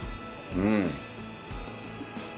うん。